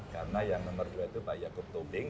karena yang nomor dua itu pak yaakob tobing